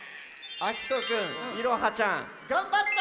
あきとくんいろはちゃんがんばった！